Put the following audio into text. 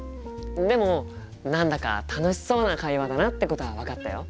でも何だか楽しそうな会話だなってことは分かったよ。